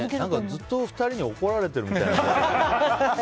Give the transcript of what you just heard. ずっと２人に怒られてるみたいだな。